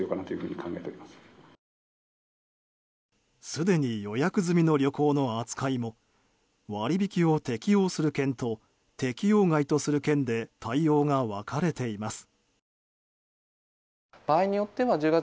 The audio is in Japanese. すでに予約済みの旅行の扱いも割引を適用する県と適用外とする県で対応が分かれています。